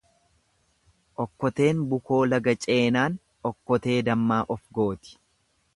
Okkoteen bukoo laga ceenaan okkotee dammaa of gooti.